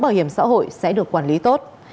bảo hiểm xã hội sẽ được quản lý tốt